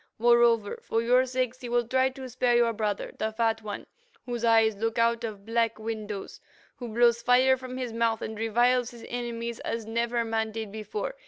Moreover, for your sakes he will try to spare your brother, the Fat One, whose eyes look out of black windows, who blows fire from his mouth, and reviles his enemies as never man did before.